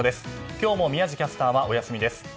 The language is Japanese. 今日も宮司キャスターはお休みです。